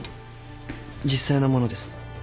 実際のものです。